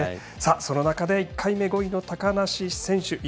その中で１回目、５位の高梨選手